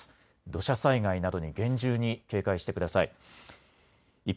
土砂災害などに厳重に警戒してください。